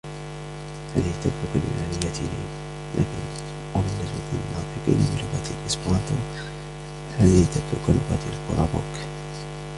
هذه تبدو كاليونانية لي، لكن و بالنسبة للناطقين بلغة الإسبرانتو، فهذه تبدو كلغة الفولابوك.